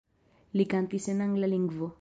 Li kantis en angla lingvo.